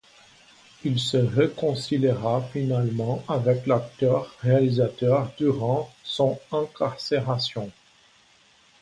Il se réconciliera finalement avec l'acteur-réalisateur durant son incarcération.